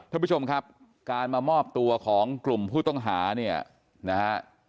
ท่านผู้ชมครับการมามอบตัวของกลุ่มผู้ต้องหาเนี่ยนะฮะ